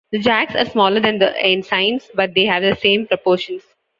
The jacks are smaller than the ensigns, but they have the same proportions.